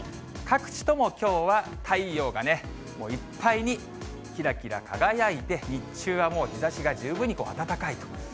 各地ともきょうは、太陽がいっぱいにきらきら輝いて、日中はもう日ざしが十分に暖かいと。